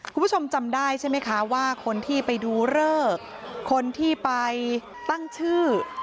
คุณผู้ชมจำได้ใช่ไหมคะว่าคนที่ไปดูเลิกคนที่ไปตั้งชื่อ